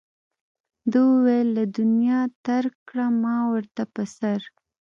ده وویل له دنیا ترک کړه ما ورته په سر.